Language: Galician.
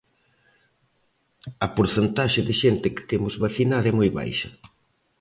A porcentaxe de xente que temos vacinada é moi baixa.